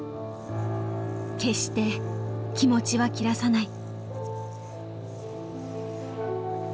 決して気持ちは切らさない。